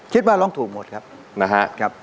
คิดว่าร้องถูกหมดครับนะฮะ